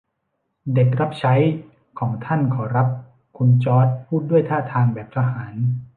เด็กรับใช้ของท่านขอรับ คุณจอร์จพูดด้วยท่าทางแบบทหาร